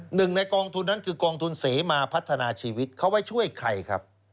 หนึ่งในกองทุนนั้นคือกองทุนเสมาพัฒนาชีวิตเขาไว้ช่วยใครครับ